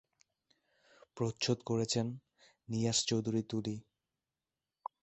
প্রচ্ছদ করেছেন নিয়াজ চৌধুরী তুলি।